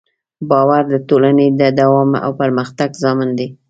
باور د ټولنې د دوام او پرمختګ ضامن دی.